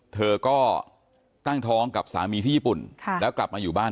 เธอก็ตั้งท้องกับสามีที่ญี่ปุ่นแล้วกลับมาอยู่บ้าน